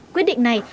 quyết định này